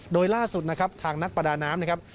โดยล่าสุดนะครับทางนักประดาน้ำนะครับ